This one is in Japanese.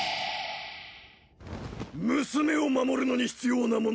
娘を守るのに必要なもの